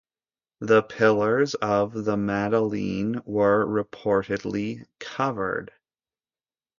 The pillars of the Madeleine were, reportedly, "covered".